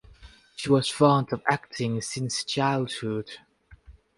She was fond of acting since childhood.